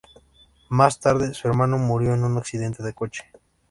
Más tarde, su hermano murió en un accidente de coche.